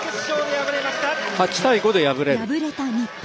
敗れた日本。